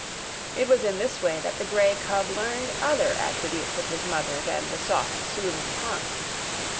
It was in this way that the grey cub learned other attributes of his mother than the soft, soothing, tongue.